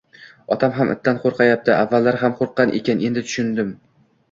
Otam ham itdan qo`rqyapti, avvallari ham qo`rqqan ekan, endi tushundim